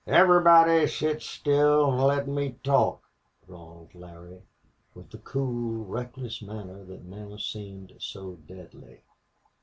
"Everybody sit still an' let me talk," drawled Larry, with the cool, reckless manner that now seemed so deadly.